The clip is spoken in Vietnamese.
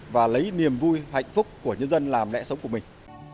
và lấy niềm vui hạnh phúc của nhân dân làm lẽ sống của mình